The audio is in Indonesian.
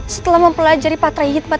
setelah mempelajari patrihid batas